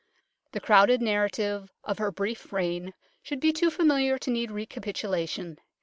The crowded narrative of her brief reign should be too familiar to need recapitulation.